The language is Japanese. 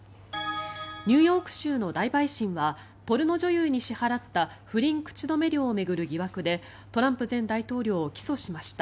ニューヨーク州の大陪審はポルノ女優に支払った不倫口止め料を巡る疑惑でトランプ前大統領を起訴しました。